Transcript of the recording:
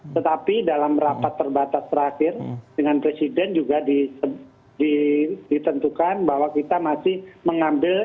tetapi dalam rapat terbatas terakhir dengan presiden juga ditentukan bahwa kita masih mengambil